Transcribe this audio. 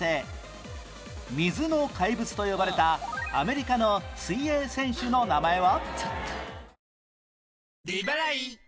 「水の怪物」と呼ばれたアメリカの水泳選手の名前は？